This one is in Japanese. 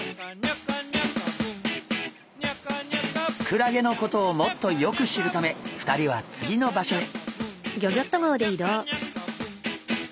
クラゲのことをもっとよく知るため２人は次の場所へ。